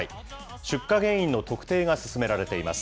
出火原因の特定が進められています。